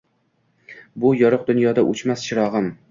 Bu yorug‘ dunyoda o‘chmas chirog‘im